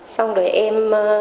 xong rồi em